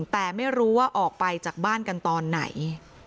แต่ไม่รู้ว่าออกไปจากบ้านกันตอนไหน